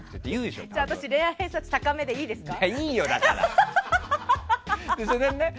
じゃあ私恋愛偏差値高めでいいですか？